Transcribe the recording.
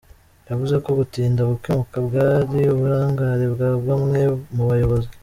Yavuze ko gutinda gukemuka bwari uburangare bwa bamwe mu bayobozi.